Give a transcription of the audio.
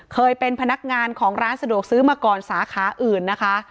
เคยเป็นพนักงานของร้านสะดวกซื้อมาก่อนสาขาอื่นนะคะ